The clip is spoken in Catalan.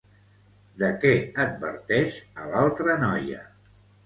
De què adverteix a l'altra noia?